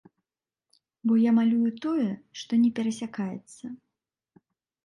Бо я малюю тое, што не перасякаецца.